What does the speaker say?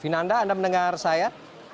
vinanda anda mendengar saya